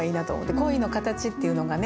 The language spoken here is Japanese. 「恋の形」っていうのがね